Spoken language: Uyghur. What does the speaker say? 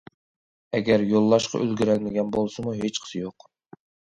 ئەگەر يوللاشقا ئۈلگۈرەلمىگەن بولسىمۇ ھېچقىسى يوق.